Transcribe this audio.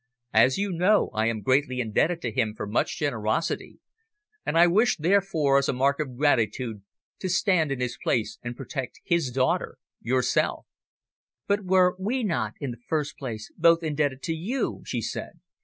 "As you know, I am greatly indebted to him for much generosity, and I wish, therefore, as a mark of gratitude, to stand in his place and protect his daughter yourself." "But were we not, in the first place, both indebted to you?" she said.